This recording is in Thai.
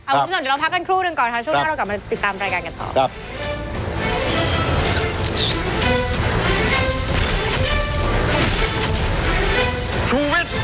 วันนี้เราพักกันครูหนึ่งก่อน